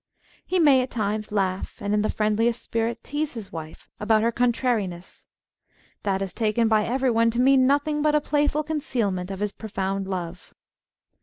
He may at times laugh, and in the friendliest spirit tease his wife about her contrariness. That is taken by everyone to mean nothing but a playful conceal ment of his profound love.